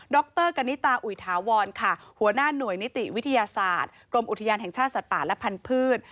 รกณิตาอุยถาวรค่ะหัวหน้าหน่วยนิติวิทยาศาสตร์กรมอุทยานแห่งชาติสัตว์ป่าและพันธุ์